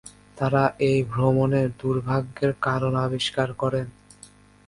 তারা এই ভ্রমণের দুর্ভাগ্যের কারণ আবিষ্কার করবে।